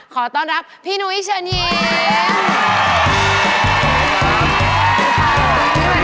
ขอต้อนรับพี่นุ้ยเชิญยิ้มพี่นุ้ยเชิญยิ้มสวัสดีครับ